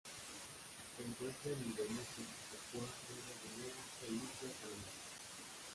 Se encuentra en Indonesia, Papúa Nueva Guinea e Islas Salomón.